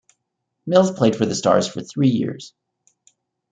Mills played for the Stars for three years.